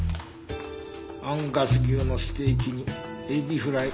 アンガス牛のステーキにエビフライ。